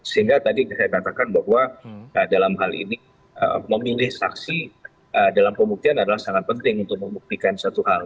sehingga tadi saya katakan bahwa dalam hal ini memilih saksi dalam pembuktian adalah sangat penting untuk membuktikan satu hal